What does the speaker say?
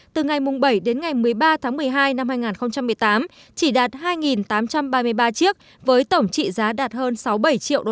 từ ngày bảy đến ngày một mươi ba tháng một mươi hai năm hai nghìn một mươi tám chỉ đạt hai tám trăm ba mươi ba chiếc với tổng trị giá đạt hơn sáu mươi bảy triệu usd